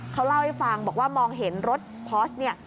เขาเล่าให้ฟังบอกว่ามองเห็นรถพอสต์